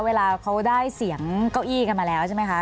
เวลาเขาได้เสียงเก้าอี้กันมาแล้วใช่ไหมคะ